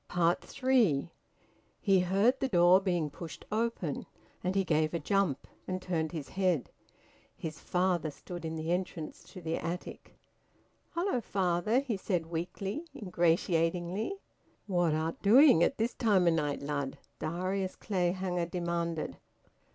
THREE. He heard the door being pushed open, and he gave a jump and turned his head. His father stood in the entrance to the attic. "Hello, father!" he said weakly, ingratiatingly. "What art doing at this time o' night, lad?" Darius Clayhanger demanded.